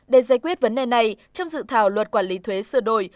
để giải quyết vấn đề này trong dự thảo luật quản lý thuế sửa đổi